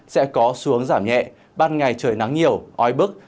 sẽ có xu hướng giảm nhẹ ban ngày trời nắng nhiều ói bức